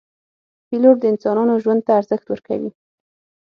پیلوټ د انسانانو ژوند ته ارزښت ورکوي.